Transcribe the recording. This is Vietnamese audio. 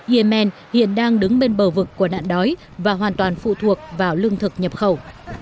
yemen hiện đang đứng bên bờ vực của nạn đói và hoàn toàn phụ thuộc vào lương thực nhập khẩu